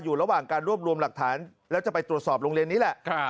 อยู่ระหว่างการรวบรวมหลักฐานแล้วจะไปตรวจสอบโรงเรียนนี้แหละ